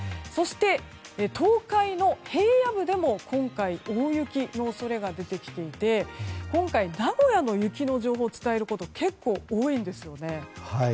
そして東海の平野部でも今回、大雪の恐れが出てきていて今回、名古屋の雪の情報を伝えることが結構多いんですよね。